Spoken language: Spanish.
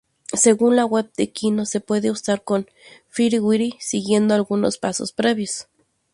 Según la web de Kino se puede usar con FireWire siguiendo algunos pasos previos.